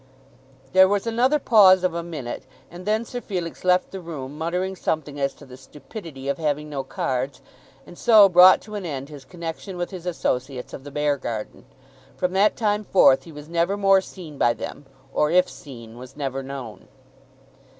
There was another pause of a minute, and then Sir Felix left the room muttering something as to the stupidity of having no cards; and so brought to an end his connection with his associates of the Beargarden. From that time forth he was never more seen by them, or, if seen, was never known.